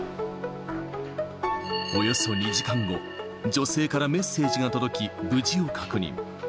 およそ２時間後、女性からメッセージが届き、無事を確認。